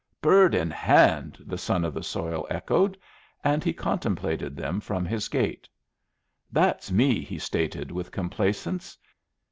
"Bird in Hand!" the son of the soil echoed; and he contemplated them from his gate. "That's me," he stated, with complacence.